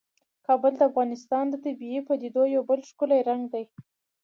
کابل د افغانستان د طبیعي پدیدو یو بل ښکلی رنګ دی.